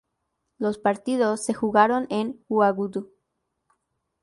Los partidos se jugaron en Uagadugú.